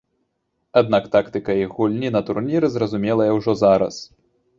Аднак тактыка іх гульні на турніры зразумелая ўжо зараз.